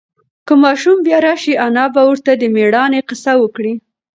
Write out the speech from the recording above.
که ماشوم بیا راشي، انا به ورته د مېړانې قصې وکړي.